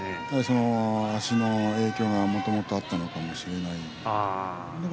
足の影響がもともとあったのかもしれません。